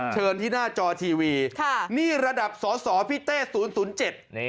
เชิญที่หน้าจอทีวีค่ะนี่ระดับสสพี่เต้๐๐๗